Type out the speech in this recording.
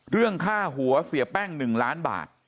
เรื่องค่าหัวเสียแป้ง๑ล้านบาท